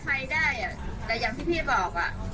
แต่ยังที่พี่บอก